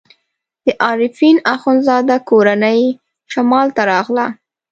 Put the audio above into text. د عارفین اخندزاده کورنۍ شمال ته راغله.